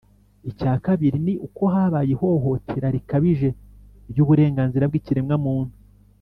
icya kabiri ni uko habaye ihohotera rikabije ry'uburenganzira bw'ikiremwamuntu,